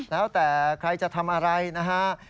แล้วแต่ใครจะทำอะไรนะฮะ